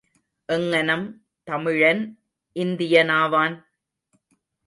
எங்ஙனம் தமிழன் இந்தியனாவான்?